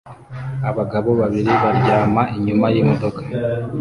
Abagabo babiri baryama inyuma yimodoka